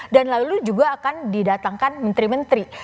dan lalu juga akan didatangkan menteri menteri